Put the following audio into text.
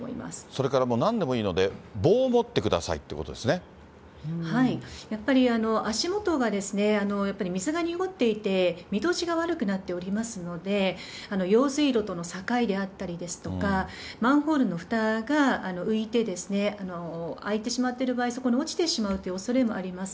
それからもうなんでもいいので、棒を持ってくださいってことやっぱり足元がですね、やっぱり水が濁っていて、見通しが悪くなっておりますので、用水路との境であったりですとか、マンホールのふたが浮いて開いてしまっている場合、そこに落ちてしまうというおそれもあります。